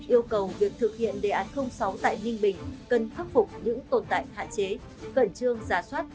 yêu cầu việc thực hiện đề án sáu tại ninh bình cần khắc phục những tồn tại hạn chế cẩn trương giả soát